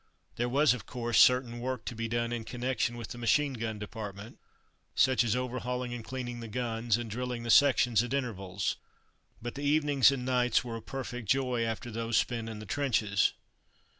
There was, of course, certain work to be done in connection with the machine gun department, such as overhauling and cleaning the guns, and drilling the section at intervals; but the evenings and nights were a perfect joy after those spent in the trenches.